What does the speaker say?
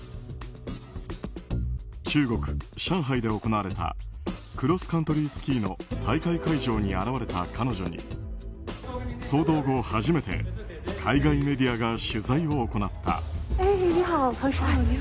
中国・上海で行われたクロスカントリースキーの大会会場に現れた彼女に騒動後初めて海外メディアが取材を行った。